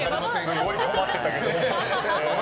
すごい困ってたけどね。